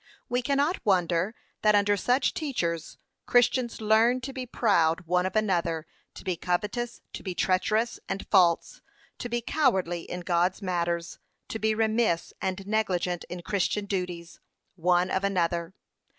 We cannot wonder, that under such teachers, 'Christians learned to be proud one of another, to be covetous, to be treacherous, and false, to be cowardly in God's matters, to be remiss and negligent in christian duties, one of another.'